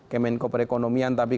kemenko perekonomian tapi